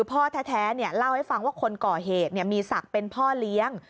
พ่อแท้เล่าให้ฟังว่าคนก่อเหตุมีศักดิ์เป็นพ่อเลี้ยง